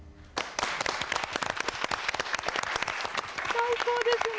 最高ですね。